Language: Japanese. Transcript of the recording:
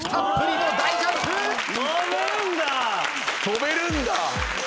跳べるんだ！